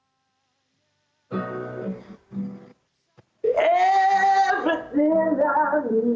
saya set up oh gak ada